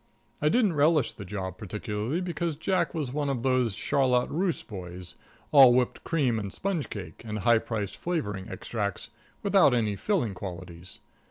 I didn't relish the job particularly, because Jack was one of these charlotte russe boys, all whipped cream and sponge cake and high priced flavoring extracts, without any filling qualities.